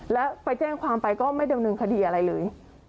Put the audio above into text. แล้วไปแจ้งความไปก็ไม่ดำเนินคดีอะไรเลย